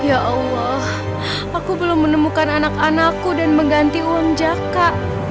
ya allah aku belum menemukan anak anakku dan mengganti uang jaka